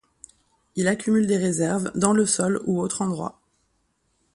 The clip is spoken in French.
Il accumule des réserves dans le sol ou autres endroits.